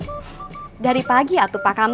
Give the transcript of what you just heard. ya udah aku mau pulang